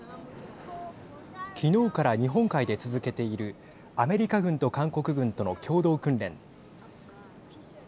昨日から日本海で続けているアメリカ軍と韓国軍との共同訓練。